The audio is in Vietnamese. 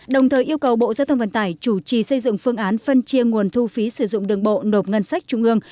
đồng thời yêu cầu bộ giao thông vận tải chủ trì xây dựng phương án phân chia nguồn thu phí sử dụng đường bộ nộp ngân sách trung ương